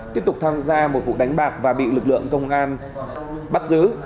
tiếp tục tham gia một vụ đánh bạc và bị lực lượng công an bắt giữ